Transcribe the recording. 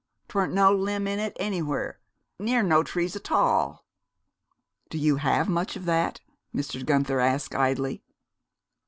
'Twant no limb in it anywhar, ner no trees atall!" "Do you have much of that?" Mr. De Guenther asked idly.